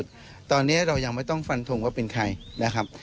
ตอนนี้เรายังไม่ต้องฟันทงว่าเป็นใครนะครับ